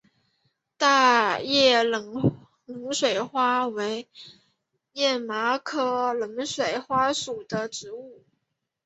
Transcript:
大叶冷水花为荨麻科冷水花属的植物。